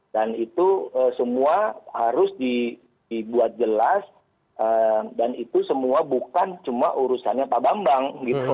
itu semua harus dibuat jelas dan itu semua bukan cuma urusannya pak bambang